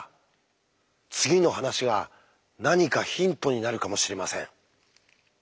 次の話が何かヒントになるかもしれません。